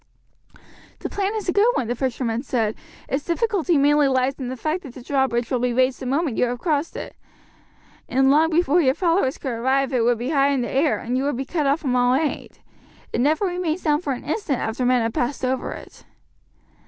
"The plan is a good one," the fisherman said; "its difficulty mainly lies in the fact that the drawbridge will be raised the moment you have crossed it, and long before your followers could arrive it would be high in the air, and you would be cut off from all aid. It never remains down for an instant after men have passed over it."